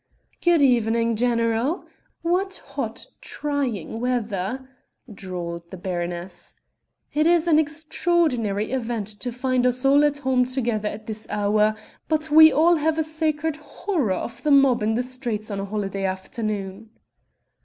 "Good evening, general, what hot, trying weather!" drawled the baroness. "It is an extraordinary event to find us all at home together at this hour but we all have a sacred horror of the mob in the streets on a holiday afternoon."